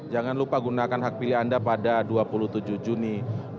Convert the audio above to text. jangan lupa gunakan hak pilih anda pada dua puluh tujuh juni dua ribu dua puluh